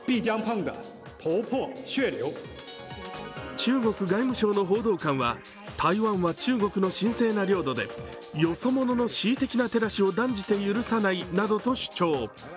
中国外務省の報道官は台湾は中国の神聖な領土でよそ者の恣意的な手出しを断じて許さないなどと主張。